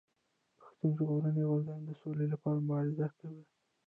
پښتون ژغورني غورځنګ د سولي لپاره مبارزه کوي.